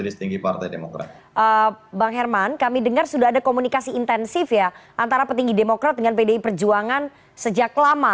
bang herman kami dengar sudah ada komunikasi intensif ya antara petinggi demokrat dengan pdi perjuangan sejak lama